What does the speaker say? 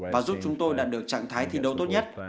và giúp chúng tôi đạt được trạng thái thi đấu tốt nhất